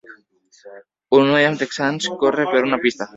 Un noi amb texans corre per una pista.